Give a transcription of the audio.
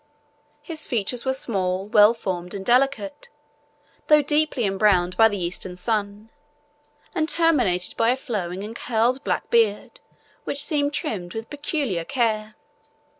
His features were small, well formed, and delicate, though deeply embrowned by the Eastern sun, and terminated by a flowing and curled black beard, which seemed trimmed with peculiar care.